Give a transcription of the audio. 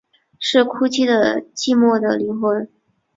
是哭泣的寂寞的灵魂